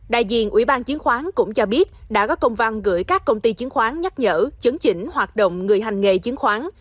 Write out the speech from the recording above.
đại diện ủy ban chiến khoán cũng cho biết đã có công văn gửi các công ty chứng khoán nhắc nhở chấn chỉnh hoạt động người hành nghề chứng khoán